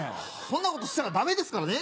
そんなことしたらダメですからね。